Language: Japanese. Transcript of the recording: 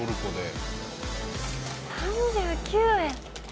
３９円。